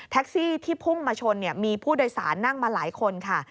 ที่พุ่งมาชนมีผู้โดยสารนั่งมาหลายคนค่ะ